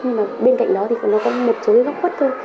nhưng mà bên cạnh đó thì nó có một số cái góc khuất thôi